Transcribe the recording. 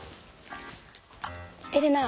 あエレナ